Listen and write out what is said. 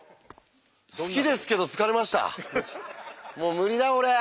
もう無理だ俺。